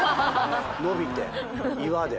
伸びて岩で。